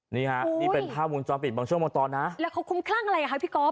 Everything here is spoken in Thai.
นี่ฮะนี่เป็นภาพมุมจอปิดบางช่วงมอตรอนะแล้วเขาคุ้มครั้งอะไรฮะพี่กอล์ฟ